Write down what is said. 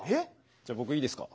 じゃ僕いいですか？